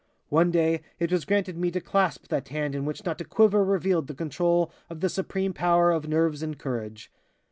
"One day, it was granted me to clasp that hand in which not a quiver revealed the control of the supreme power of nerves and courage.